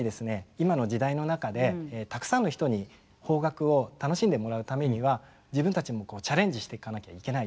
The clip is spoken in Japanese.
今の時代の中でたくさんの人に邦楽を楽しんでもらうためには自分たちもチャレンジしていかなきゃいけないという。